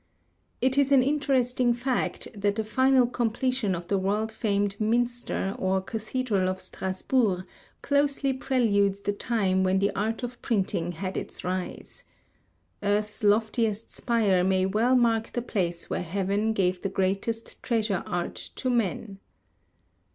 It is an interesting fact that the final completion of the world famed Minster or Cathedral of Strasbourg, closely preludes the time when the art of printing had its rise. Earth's loftiest spire may well mark the place where Heaven gave the greatest treasure art to man.